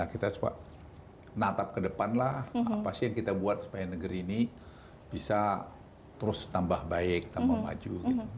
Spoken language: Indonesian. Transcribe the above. kita coba natap ke depan lah apa sih yang kita buat supaya negeri ini bisa terus tambah baik tambah maju